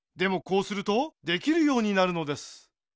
こうするとできるようになるのです。